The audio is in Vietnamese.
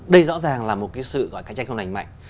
đây rõ ràng là một cái sự gọi cạnh tranh không lành mạnh